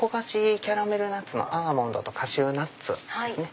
キャラメルナッツのアーモンドとカシューナッツ。